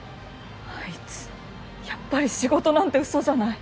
あいつやっぱり仕事なんて嘘じゃない。